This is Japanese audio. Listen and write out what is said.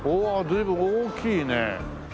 随分大きいね。